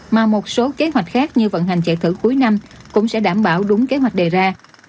mà một số kế hoạch khác như vận hành chạy thử cuối năm cũng sẽ đảm bảo đúng kế hoạch đề ra